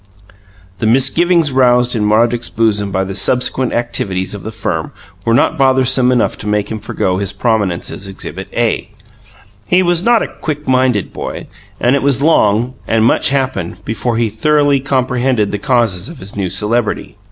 The misgivings roused in Roderick's bosom by the subsequent activities of the firm were not bothersome enough to make him forego his prominence as Exhibit A. He was not a "quick minded" boy, and it was long (and much happened) before he thoroughly comprehended the causes of his new celebrity.